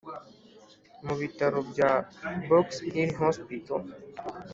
mu bitaro bya box hill hospital